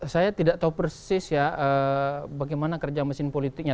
saya tidak tahu persis ya bagaimana kerja mesin politiknya